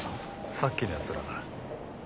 さっきの奴らだ。